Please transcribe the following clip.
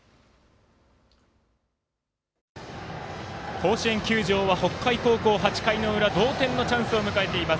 甲子園球場は北海高校、８回の裏同点のチャンスを迎えています。